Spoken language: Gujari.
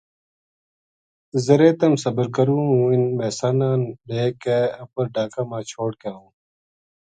ذرے تم صبر کروں ہوں اِنھ مھیساں نا لے کے اپر ڈھاکا ما چھوڈ کے آئوں